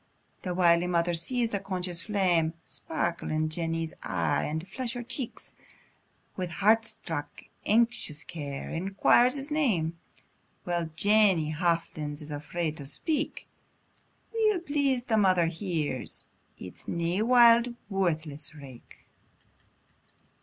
The wily mother sees the conscious flame Sparkle in Jenny's e'e, and flush her cheek; With heart struck anxious care, enquires his name, While Jenny hafflins is afraid to speak; Weel pleased the mother hears, it's nae wild, worthless rake.